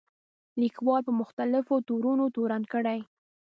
لیکوال په مختلفو تورونو تورن کړي.